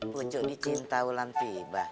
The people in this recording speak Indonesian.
pucuk dicinta ulang tiba